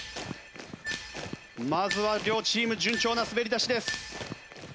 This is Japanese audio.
まずは両チーム順調な滑りだしです。